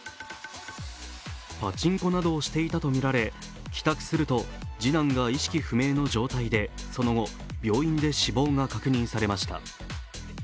パチンコなどをしていたとみられ帰宅すると次男が意識不明の状態でその後、病院で死亡が確認されました。